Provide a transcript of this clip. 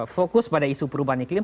fokus pada isu perubahan iklim